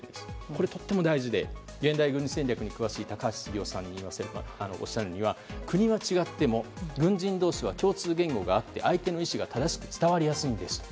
これ、とっても大事で現代軍事戦略に詳しい高橋杉雄さんがおっしゃるには国は違っても軍人同士は共通言語があって相手の意思が正しく伝わりやすいんです。